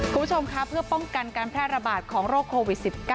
คุณผู้ชมค่ะเพื่อป้องกันการแพร่ระบาดของโรคโควิด๑๙